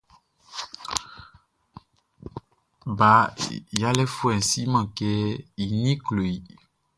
Ba yalɛfuɛʼn siman kɛ i ninʼn klo i.